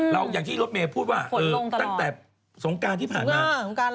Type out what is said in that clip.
อย่างที่รถเมย์พูดว่าตั้งแต่สงการที่ผ่านมา